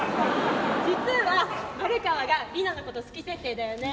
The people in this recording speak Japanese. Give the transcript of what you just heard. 実は「『マルカワ』が『リナ』のこと好き設定」だよね。